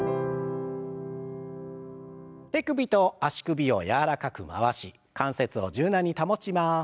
手首と足首を柔らかく回し関節を柔軟に保ちます。